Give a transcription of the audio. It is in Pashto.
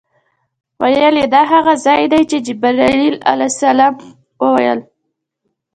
ویل یې دا هغه ځای دی چې جبرائیل علیه السلام وویل.